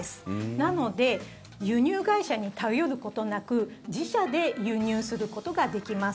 なので、輸入会社に頼ることなく自社で輸入することができます。